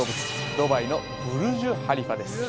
ドバイのブルジュ・ハリファです